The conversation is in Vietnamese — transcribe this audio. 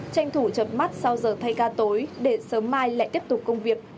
tranh thủ chập mắt sau giờ thay ca tối để sớm mai lại tiếp tục công việc